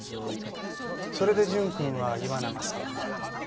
それで純くんは岩永さんが？